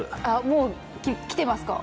もうきてますか？